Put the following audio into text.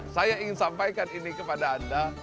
saya ingin sampaikan ini kepada anda